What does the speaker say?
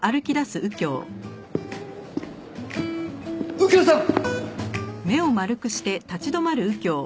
右京さん！